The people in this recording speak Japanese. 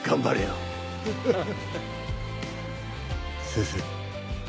先生。